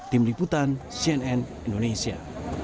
tim liputan cnn indonesia